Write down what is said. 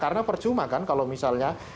karena percuma kan kalau misalnya